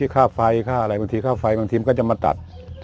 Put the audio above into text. ข้าวไฟอะไรเพราะมีข้าวไฟบางทีมนั้นจะมาตัด